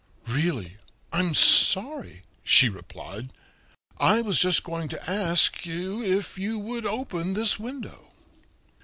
"Really, I'm sorry," she replied. "I was just going to ask you if you would open this window."